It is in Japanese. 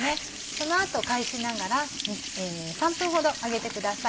その後返しながら３分ほど揚げてください。